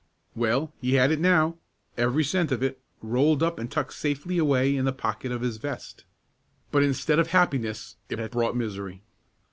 Well, he had it now, every cent of it, rolled up and tucked safely away in the pocket of his vest; but instead of happiness, it had brought misery.